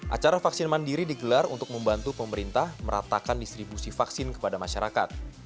acara vaksin mandiri digelar untuk membantu pemerintah meratakan distribusi vaksin kepada masyarakat